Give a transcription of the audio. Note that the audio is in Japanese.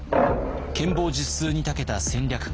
権謀術数に長けた戦略家。